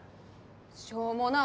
「しょうもな」